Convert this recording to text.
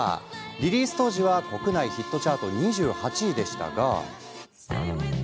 リリース当時は国内ヒットチャート２８位でしたが。